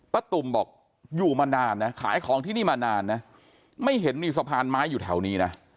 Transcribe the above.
ตุ่มบอกอยู่มานานนะขายของที่นี่มานานนะไม่เห็นมีสะพานไม้อยู่แถวนี้นะ